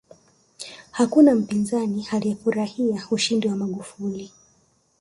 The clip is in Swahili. hakuna mpinzani aliyefurahia ushindi wa magufuli